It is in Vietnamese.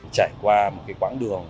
chạy qua một quãng đường